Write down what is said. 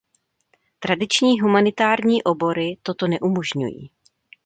Tradiční humanitní obory toto neumožňují.